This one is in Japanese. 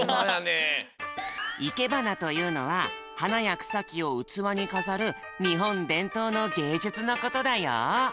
いけばなというのははなやくさきをうつわにかざるにほんでんとうのげいじゅつのことだよ！